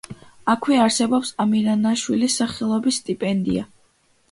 აქვე არსებობს ამირანაშვილის სახელობის სტიპენდია.